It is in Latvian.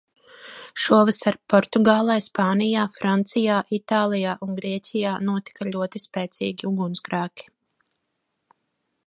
Šovasar Portugālē, Spānijā, Francijā, Itālijā un Grieķijā notika ļoti spēcīgi ugunsgrēki.